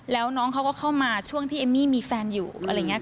แล้วน้องเขาก็เข้ามาช่วงที่เอมมี่มีแฟนอยู่อะไรอย่างนี้